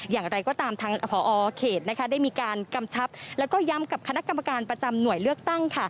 อย่างไรก็ตามทางพอเขตได้มีการกำชับแล้วก็ย้ำกับคณะกรรมการประจำหน่วยเลือกตั้ง